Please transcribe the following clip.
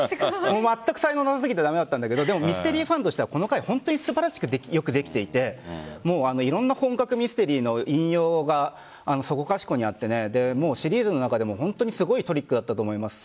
まったく才能がなくて駄目だったんだけどミステリーファンとしてはこの回、本当に素晴らしく良くできていていろんな本格ミステリーの引用がそこかしこにあってシリーズの中でもすごいトリックだったと思います。